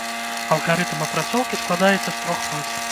Алгарытм апрацоўкі складаецца з трох фаз.